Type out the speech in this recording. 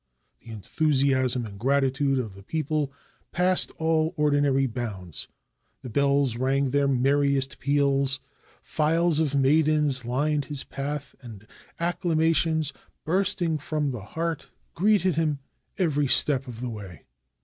The enthusiasm and gratitude of the people passed all ordinary bounds. The bells rang their merriest peals; files of maidens lined his path, and accla mations, bursting from the heart, greeted him every 31S AUSTRIA HUNGARY step of his way.